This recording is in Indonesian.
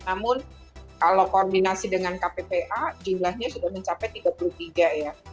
namun kalau koordinasi dengan kppa jumlahnya sudah mencapai tiga puluh tiga ya